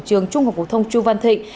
trường trung học phổ thông chu văn thịnh